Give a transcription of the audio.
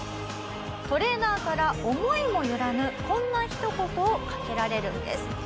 トレーナーから思いもよらぬこんな一言をかけられるんです。